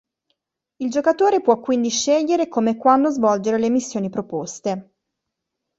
Il giocatore può quindi scegliere come e quando svolgere le missioni proposte.